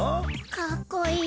かっこいい。